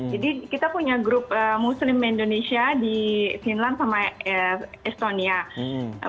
jadi kita punya grup muslim indonesia di finland sama estonia